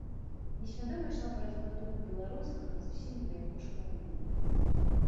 Несвядома ішла барацьба духу беларускага з усім для яго шкадлівым.